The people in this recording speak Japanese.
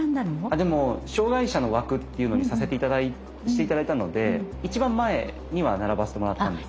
でも障害者の枠っていうのにして頂いたので一番前には並ばせてもらったんです。